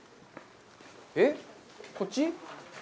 えっ？こっち？